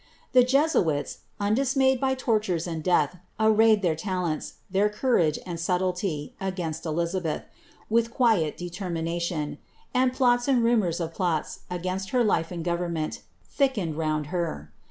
The Jesuits, undismayed by tortures and death, arrayed their talents, their courage, and subtlety, against Elizabeth, with quiet determination, and plot», and rumours of plots, against her life and government, thickened round her.